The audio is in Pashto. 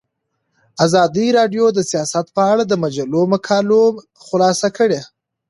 ازادي راډیو د سیاست په اړه د مجلو مقالو خلاصه کړې.